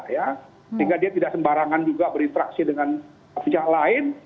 sehingga dia tidak sembarangan juga berinteraksi dengan pihak lain